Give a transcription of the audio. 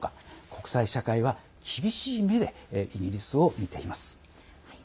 国際社会は厳しい目でイギリスを見ています。